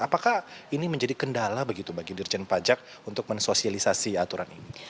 apakah ini menjadi kendala begitu bagi dirjen pajak untuk mensosialisasi aturan ini